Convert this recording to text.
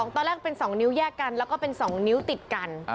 ตอนแรกเป็น๒นิ้วแยกกันแล้วก็เป็น๒นิ้วติดกัน